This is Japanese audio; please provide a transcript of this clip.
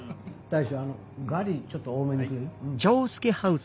大将ガリちょっと多めにくれる？